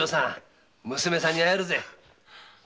娘さんに会えるぜ。